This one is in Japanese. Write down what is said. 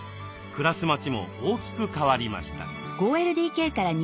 暮らす街も大きく変わりました。